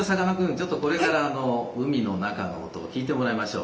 ちょっとこれから海の中の音を聞いてもらいましょう。